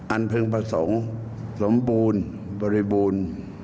เพลิงประสงค์สมบูรณ์บริบูรณ์